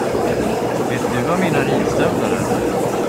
Vet du var mina ridstövlar är?